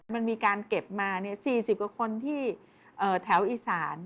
มันมีการเก็บมา๔๐กว่าคนที่แถวอีสาน